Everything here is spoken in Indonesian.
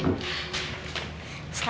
selamat ya riza